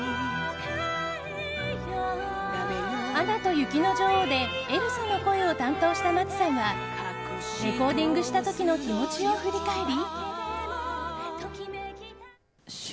「アナと雪の女王」でエルサの声を担当した松さんはレコーディングした時の気持ちを振り返り。